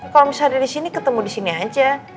kalau misalnya dari sini ketemu di sini aja